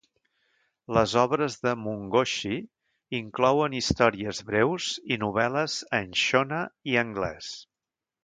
Les obres de Mungoshi inclouen històries breus i novel·les en shona i anglès.